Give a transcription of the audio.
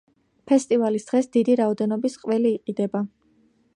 ფესტივალის დღეს დიდი რაოდენობის ყველი იყიდება.